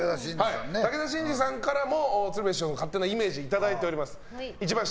武田真治さんからも鶴瓶師匠の勝手なイメージいただいております。